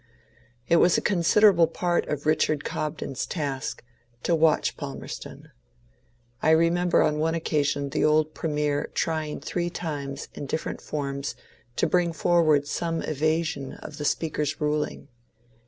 It was a considerable part of Richard Cobden's task to watch Palmerston. I remember on one occasion the old Premier trying three times in different forms to bring forward some evasion of the Speaker's ruling.